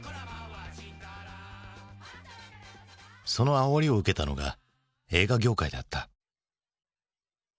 そのあおりを受けたのが映画業界だった。